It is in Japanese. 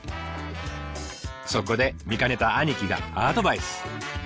そこで見かねた兄貴がアドバイス。